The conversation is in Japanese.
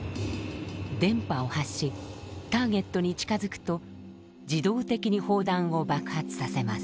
電波を発しターゲットに近づくと自動的に砲弾を爆発させます。